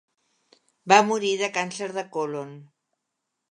Va morir de càncer de colon.